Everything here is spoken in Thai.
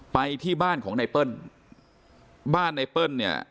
ไปที่บ้านของไนเปิ้ลบ้านไนเปิ้ลเนี่ย